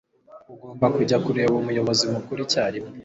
Ugomba kujya kureba umuyobozi mukuru icyarimwe.